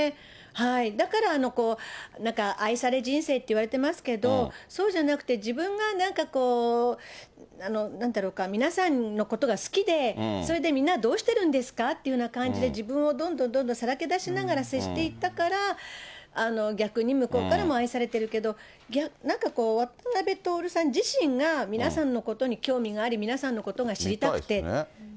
だから、愛され人生って言われてますけれども、そうじゃなくて、自分がなんかこう、なんだろうか、皆さんのことが好きで、それでみんなどうしてるんですかっていうんで、自分をどんどんどんどんさらけ出しながら接していったから、逆に向こうからも愛されてるけど、なんかこう、渡辺徹さん自身が、皆さんのことに興味があり、皆さんのことが知りたくて。